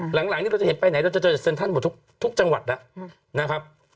หลังนี้เราจะเห็นไปไหนเราจะเจอจากเซ็นทรัลหมดทุกจังหวัดแล้วนะครับ